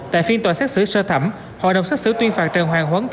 tại phiên tòa xác xử sơ thẩm hội đồng xác xử tuyên phạt trần hoàng huấn